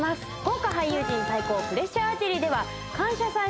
豪華俳優陣対抗プレッシャーアーチェリーでは「感謝祭」